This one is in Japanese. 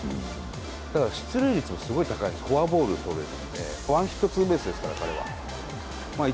だから、出塁率もすごく高い、フォアボール取れるので、ワンヒットツーベースですから、彼は。